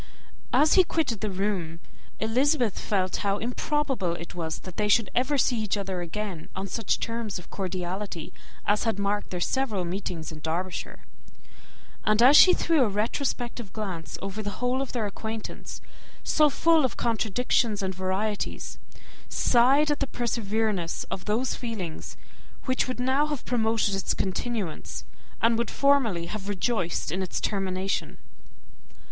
As he quitted the room, Elizabeth felt how improbable it was that they should ever see each other again on such terms of cordiality as had marked their several meetings in Derbyshire; and as she threw a retrospective glance over the whole of their acquaintance, so full of contradictions and varieties, sighed at the perverseness of those feelings which would now have promoted its continuance, and would formerly have rejoiced in its termination.